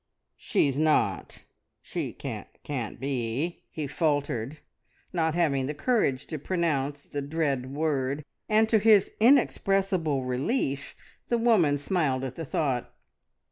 "She is not she can't be " he faltered, not having the courage to pronounce the dread word; and to his inexpressible relief the woman smiled at the thought.